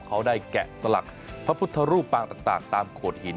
เขาได้แกะสลักพระพุทธรูปปางต่างตามโขดหิน